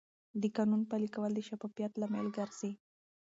د قانون پلي کول د شفافیت لامل ګرځي.